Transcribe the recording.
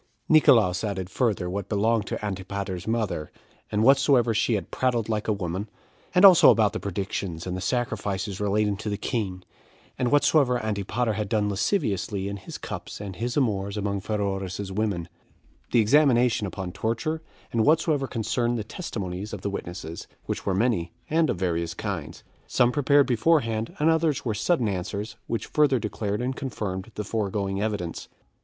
6. Nicolaus added further what belonged to Antipater's mother, and whatsoever she had prattled like a woman; as also about the predictions and the sacrifices relating to the king; and whatsoever Antipater had done lasciviously in his cups and his amours among Pheroras's women; the examination upon torture; and whatsoever concerned the testimonies of the witnesses, which were many, and of various kinds; some prepared beforehand, and others were sudden answers, which further declared and confirmed the foregoing evidence.